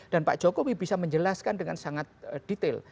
dan pak jokowi bisa menjelaskan dengan sangat detail